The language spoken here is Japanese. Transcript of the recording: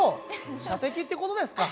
射的って事ですか。